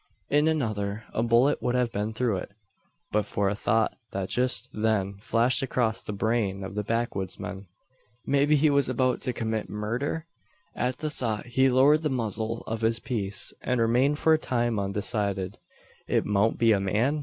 In another, a bullet would have been through it; but for a thought that just then flashed across the brain of the backwoodsman. Maybe he was about to commit murder? At the thought he lowered the muzzle of his piece, and remained for a time undecided. "It mout be a man?"